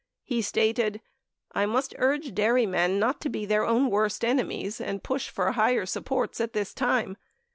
He stated : T must urge dairymen not to be their own worst enemies and push for higher supports at this time.